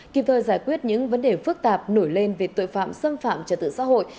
kịp thời giải quyết những vấn đề phức tạp nổi lên về tội phạm xâm phạm trật tự xã hội